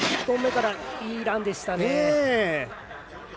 １本目からいいランでした。